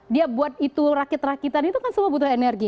dia buat itu rakit rakitan itu kan semua butuh energi